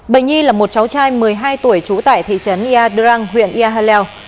bệnh nhi là một cháu trai một mươi hai tuổi trú tại thị trấn yadrang huyện yahalel